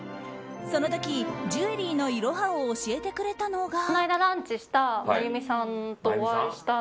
その時、ジュエリーのいろはを教えてくれたのが。